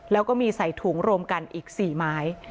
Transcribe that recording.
แล้วก็มีใส่ถุงรวมกันอีก๔ไม้